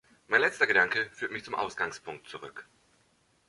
Mein letzter Gedanke führt mich zum Ausgangspunkt zurück.